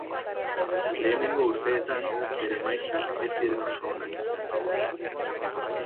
Lehenengo urteetan, bere emaitzak ez ziren oso onak izan.